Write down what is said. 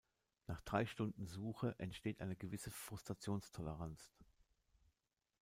Nach drei Stunden Suche entsteht eine gewisse Frustrationstoleranz.